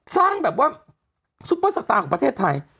สร้างแบบว่าซุปเปอร์สตาร์ของประเทศไทย